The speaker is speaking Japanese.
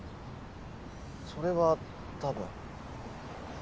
それは多分。